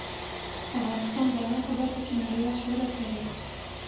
افغانستان د انار په برخه کې نړیوال شهرت لري.